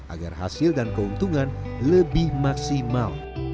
agar hasil dan keuntungan lebih maksimal